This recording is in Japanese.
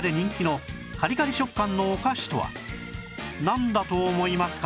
なんだと思いますか？